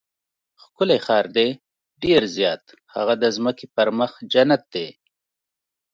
ښکلی ښار دی؟ ډېر زیات، هغه د ځمکې پر مخ جنت دی.